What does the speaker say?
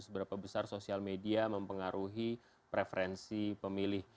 seberapa besar sosial media mempengaruhi preferensi pemilih